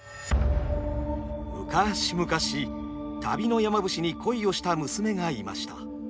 昔々旅の山伏に恋をした娘がいました。